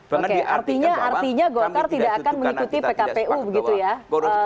artinya gokar tidak akan mengikuti pkpu begitu ya